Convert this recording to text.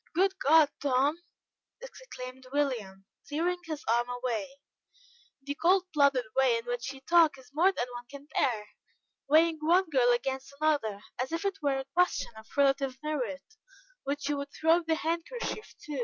"Good God, Tom!" exclaimed William, tearing his arm away, "the cold blooded way in which you talk is more than one can bear. Weighing one girl against another, as if it were a question of relative merit, which you would throw the handkerchief to.